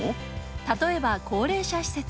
例えば、高齢者施設。